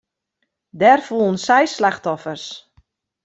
Der foelen seis slachtoffers.